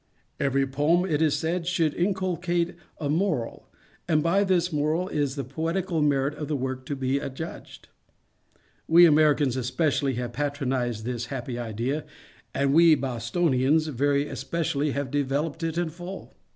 Every poem, it is said, should inculcate a morals and by this moral is the poetical merit of the work to be adjudged. We Americans especially have patronized this happy idea, and we Bostonians very especially have developed it in full.